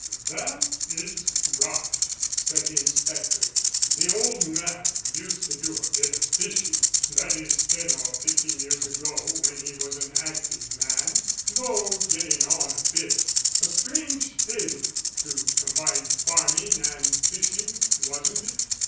"That is right," said the inspector. "The old man used to do a bit of fishing that is ten or fifteen years ago when he was an active man, though getting on a bit a strange thing to combine farming and fishing, wasn't it?